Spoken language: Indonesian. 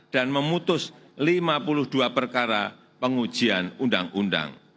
dan memutus lima puluh dua perkara pengujian undang undang